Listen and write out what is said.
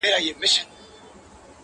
راسه دوې سترگي مي دواړي درله دركړم.